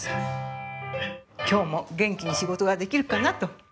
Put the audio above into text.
今日も元気に仕事ができるかなと。